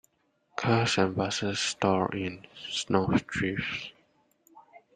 Cars and busses stalled in snow drifts.